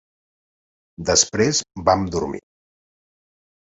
Després vam dormir.